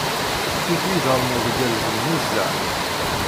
Tikli d armud igerrzen nezzeh.